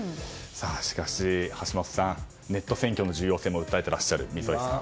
しかし、橋下さんネット選挙の重要性も訴えていらっしゃる溝井さん。